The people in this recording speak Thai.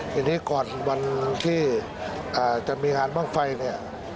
อย่างนี้ก่อนวันที่จะมีงานป้องไฟ